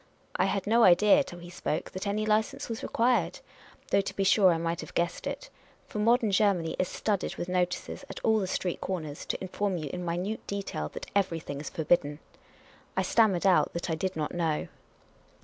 I had no idea, till he spoke, that any license was required ; though to be sure I might have guessed it ; for modern Ger many is studded with notices at all the street corners, to in form you in minute detail that everything is forl)idden. I stammered out that I did not know.